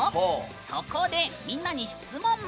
そこで、みんなに質問。